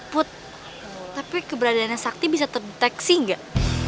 put tapi keberadaannya sakti bisa terdeteksi nggak